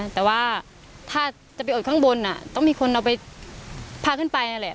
แต่ว่าถ้าจะไปอดข้างบนต้องมีคนเอาไปพาขึ้นไปนั่นแหละ